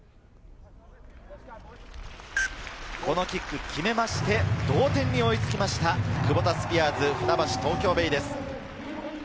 このキック決めまして、同点に追いつきました、クボタスピアーズ船橋・東京ベイです。